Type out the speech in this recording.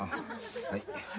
はい。